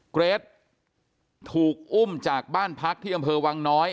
เกรทถูกอุ้มจากบ้านพักที่อำเภอวังน้อย